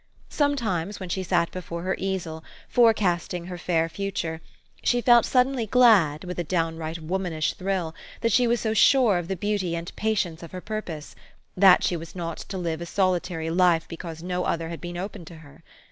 Sometimes, when she sat before her easel, forecast ing her fair future, she felt suddenly glad, with a downright womanish thrill, that she was so sure of the beauty and patience of her purpose ; that she was not to live a solitary life because no other had been open to her.